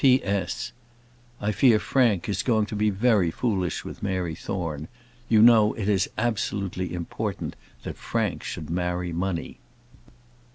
P.S. I fear Frank is going to be very foolish with Mary Thorne. You know it is absolutely important that Frank should marry money.